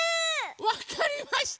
わかりました。